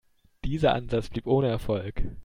Dieser Ansatz blieb ohne Erfolg.